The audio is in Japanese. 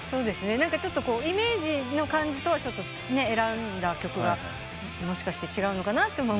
ちょっとイメージの感じとは選んだ曲がもしかして違うのかなとも思いましたけど。